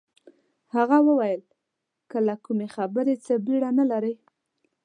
هغه وویل که له کومې خبرې څه بېره نه لرئ.